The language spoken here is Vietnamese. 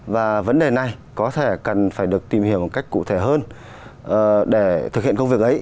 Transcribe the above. và vấn đề này có thể cần phải được tìm hiểu một cách cụ thể hơn để thực hiện công việc ấy